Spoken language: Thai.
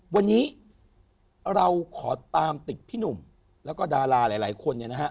วันนี้เราขอตามติดพี่หนุ่มแล้วก็ดาราหลายคนเนี่ยนะฮะ